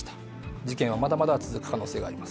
事件はまだまだ続く可能性があります。